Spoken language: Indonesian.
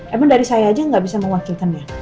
emang dari saya aja gak bisa mewakilkannya